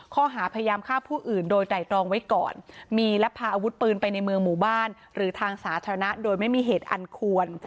ข้อหาพยายามฆ่าผู้อื่นโดยไตรตรองไว้ก่อนมีและพาอาวุธปืนไปในเมืองหมู่บ้านหรือทางสาธารณะโดยไม่มีเหตุอันควร